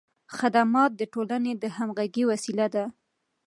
خدمت د ټولنې د همغږۍ وسیله ده.